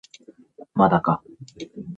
まだか